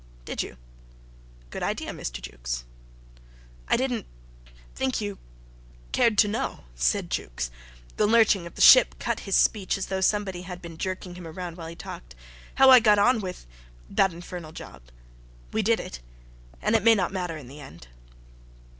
"Did you? Good idea, Mr. Jukes." "I didn't ... think you cared to ... know," said Jukes the lurching of the ship cut his speech as though somebody had been jerking him around while he talked "how I got on with ... that infernal job. We did it. And it may not matter in the end."